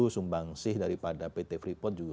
sumbang sih daripada pt freeport juga